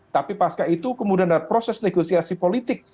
tapi pasca itu kemudian ada proses negosiasi politik